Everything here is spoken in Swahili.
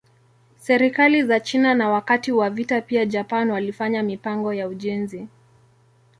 Serikali za China na wakati wa vita pia Japan walifanya mipango ya ujenzi.